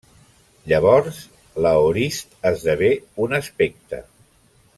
Llavors, l'aorist esdevé un aspecte.